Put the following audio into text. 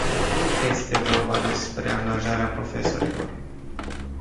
Nu este vorba despre angajarea profesorilor.